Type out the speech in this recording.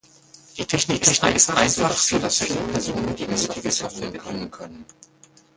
Die Technik ist einfach, so dass viele Personen die nötige Software bedienen können.